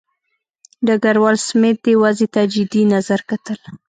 ډګروال سمیت دې وضع ته جدي نظر کتل.